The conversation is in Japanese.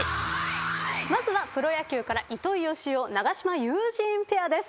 まずはプロ野球から糸井嘉男長島ユージーンペアです。